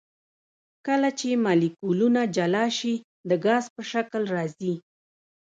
کله چې مالیکولونه جلا شي د ګاز په شکل راځي.